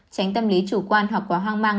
tránh tâm lý chủ quan hoặc quá hoang mang